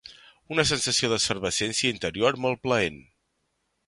Una sensació d'efervescència interior molt plaent.